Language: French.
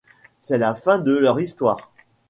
C'est la fin de leur histoire.